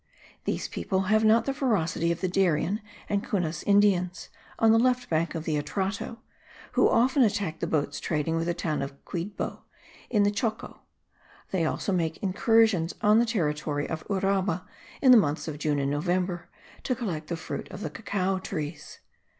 These people have not the ferocity of the Darien and Cunas Indians, on the left bank of the Atrato; who often attack the boats trading with the town of Quidbo in the Choco; they also make incursions on the territory of Uraba, in the months of June and November, to collect the fruit of the cacao trees.